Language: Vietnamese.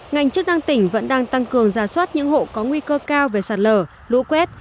ngành chức năng tỉnh vẫn đang tăng cường ra soát những hộ có nguy cơ cao về sạt lở lũ quét